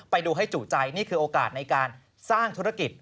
ไปดูให้จุใจนี่คือโอกาสในการสร้างธุรกิจ